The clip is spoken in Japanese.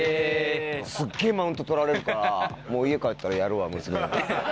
すっげぇマウント取られるからもう家帰ったらやるわ娘に。